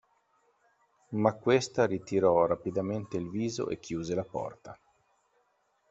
Ma questa ritirò rapidamente il viso e chiuse la porta.